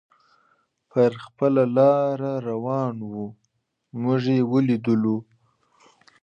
پر خپله لار روان و، موږ یې ولیدو.